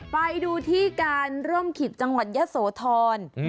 ไปดูที่การร่มขิบจังหวัดยะโสธร